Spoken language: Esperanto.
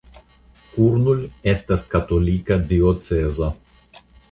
Kurnul estas katolika diocezo.